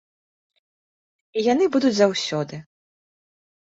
І яны будуць заўсёды.